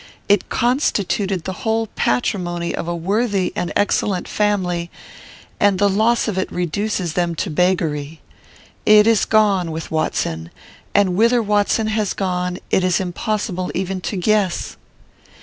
It constituted the whole patrimony of a worthy and excellent family, and the loss of it reduces them to beggary. It is gone with Watson, and whither Watson has gone it is impossible even to guess.